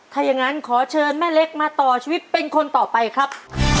ถ้าอย่างนั้นขอเชิญแม่เล็กมาต่อชีวิตเป็นคนต่อไปครับ